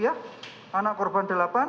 anak korban tiga